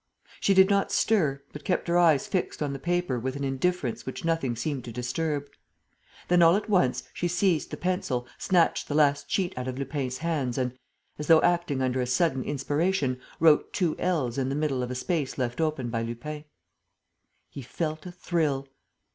She did not stir, but kept her eyes fixed on the paper with an indifference which nothing seemed to disturb. Then, all at once, she seized the pencil, snatched the last sheet out of Lupin's hands and, as though acting under a sudden inspiration, wrote two "L's" in the middle of a space left open by Lupin. He felt a thrill.